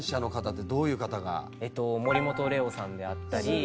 えっと森本レオさんであったり。